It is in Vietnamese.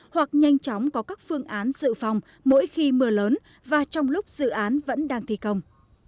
hoặc nhanh chóng có các phương án dự phòng mỗi khi mưa lớn và trong lúc dự án vẫn đang thi công